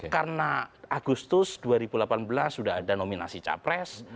karena agustus dua ribu delapan belas sudah ada nominasi capres